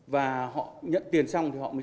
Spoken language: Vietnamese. và họ nhận tiền xong thì họ mới